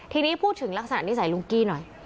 ทีนี้พูดถึงลักษณะนิสัยลุงกี้หน่อย